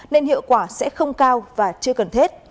nên hiệu quả sẽ không cao và chưa cần thiết